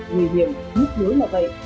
nguyên liệu mức nối là vậy